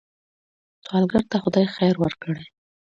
سوالګر ته خدای خیر ورکړي